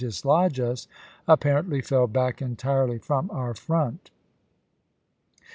dislodge us, apparently fell back entirely from our p^ 252." front."